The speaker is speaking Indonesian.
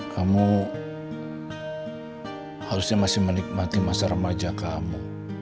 kamu harusnya masih menikmati masa remaja kamu